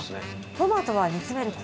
トマトは煮詰めること。